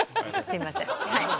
すいません。